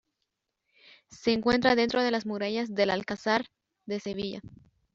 Se encuentra dentro de las murallas del Alcázar de Sevilla.